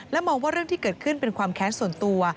มองว่าเรื่องที่เกิดขึ้นเป็นความแค้นส่วนตัว